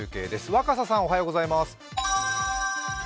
若狭さん、おはようございます。